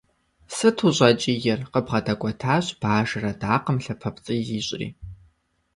Сыт ущӏэкӏийр?- къыбгъэдэкӏуэтащ бажэр адакъэм, лъапэпцӏий зищӏри.